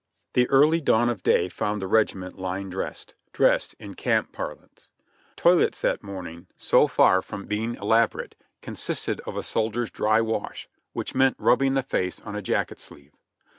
The early dawn of day found the regiment lying dressed —• "dressed" in camp parlance. Toilets that morning, so far from 52 JOHNNY RE:b AND BILIvY YANK being elaborate, consisted of a soldier's dry wash, which meant rubbing the face on a jacket sleeve.